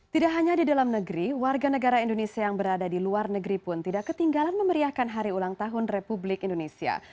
tidak hanya di dalam negeri warga negara indonesia yang berada di luar negeri pun tidak ketinggalan memeriahkan hari ulang tahun republik indonesia